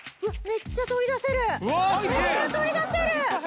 めっちゃ取り出せる！